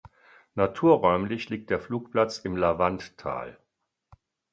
Naturräumlich liegt der Flugplatz im Lavanttal.